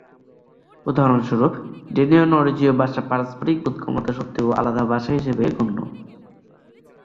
উদাহরণস্বরূপ, ডেনীয় ও নরওয়েজীয় ভাষা পারস্পারিক বোধগম্যতা সত্ত্বেও আলাদা ভাষা হিসেবে গণ্য।